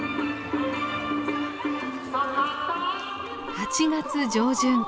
８月上旬。